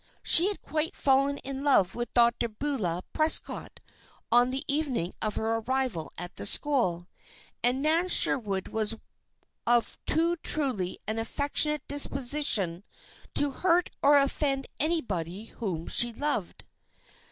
She had quite fallen in love with Dr. Beulah Prescott on the evening of her arrival at the school; and Nan Sherwood was of too truly an affectionate disposition to hurt or offend anybody whom she loved.